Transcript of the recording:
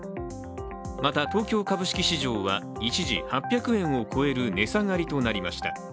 また、東京株式市場は一時８００円を超える値下がりとなりました。